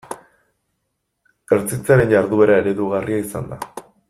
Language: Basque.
Ertzaintzaren jarduera eredugarria izan da.